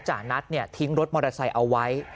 นัททิ้งรถมอเตอร์ไซค์เอาไว้